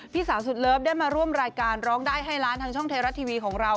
พี่สาวสุดเลิฟได้มาร่วมรายการร้องได้ให้ล้านทางช่องไทยรัฐทีวีของเรา